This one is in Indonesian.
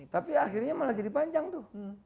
tapi akhirnya malah jadi panjang tuh